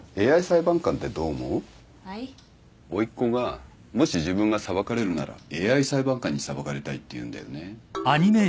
おいっ子がもし自分が裁かれるならＡＩ裁判官に裁かれたいって言うんだよね。